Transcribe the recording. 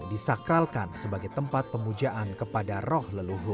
di barulah lancah